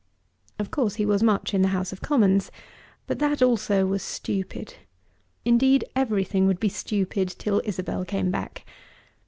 Of course he was much in the House of Commons, but that also was stupid. Indeed everything would be stupid till Isabel came back.